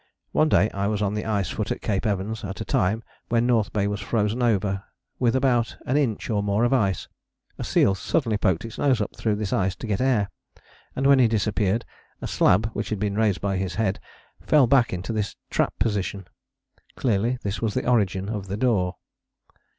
One day I was on the ice foot at Cape Evans at a time when North Bay was frozen over with about an inch or more of ice. A seal suddenly poked his nose up through this ice to get air, and when he disappeared a slab which had been raised by his head fell back into this trap position. Clearly this was the origin of the door.